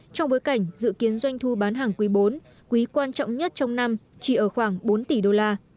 trong bối cảnh dự kiến doanh thu bán hàng quý bốn quý quan trọng nhất trong năm chỉ ở khoảng bốn tỷ đô la